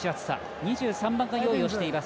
２３番が用意をしています。